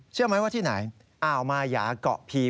เชื่อไหมว่าที่ไหนอ่าวมายาเกาะพี